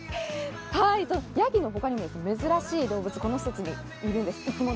やぎの他にも珍しい動物、この施設にいるんです。